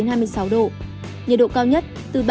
nhiệt độ cao nhất từ hai mươi ba hai mươi sáu độ